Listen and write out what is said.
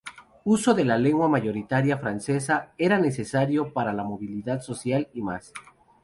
Uso de la lengua mayoritaria francesa era necesario para la movilidad social y más.